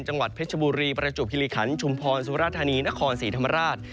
จังหวัดเพชรบุรีประจวบคิริขันชุมพรสุรธานีนครศรีธรรมราช